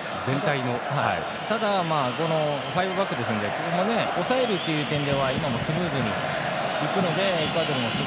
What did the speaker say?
ただファイブバックなので抑えるという点では今もスムーズに行くので。